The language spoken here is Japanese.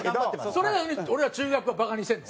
それなのに俺ら中学をバカにしてるの？